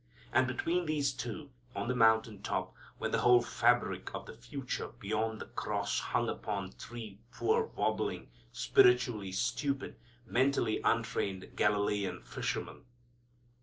And between these two, on the mountain top, when the whole fabric of the future beyond the cross hung upon three poor wobbling, spiritually stupid, mentally untrained Galilean fishermen.